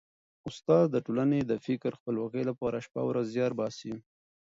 استاد د ټولني د فکري خپلواکۍ لپاره شپه او ورځ زیار باسي.